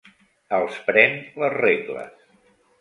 Els pren les regles.